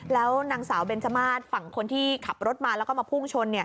แล้วนางสาวเบนจมาสฝั่งคนที่ขับรถมาแล้วก็มาพุ่งชน